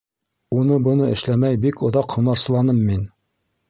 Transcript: Уны-быны эшләмәй бик оҙаҡ һунарсыланым мин.